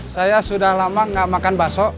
saya sudah lama gak makan bakso